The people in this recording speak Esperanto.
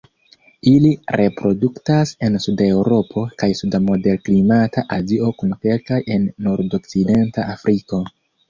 Ili reproduktas en suda Eŭropo kaj suda moderklimata Azio kun kelkaj en nordokcidenta Afriko.